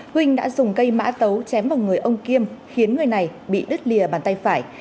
huynh đã dùng cây mã tấu chém vào người ông kiêm khiến người này bị đứt lìa bàn tay phải